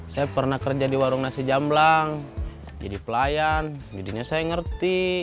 saya pernah kerja di warung nasi jamblang jadi pelayan jadinya saya ngerti